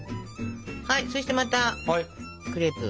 はいそしてまたクレープ。